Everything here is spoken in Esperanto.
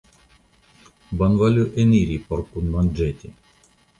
Bonvolu eniri por kunmanĝeti!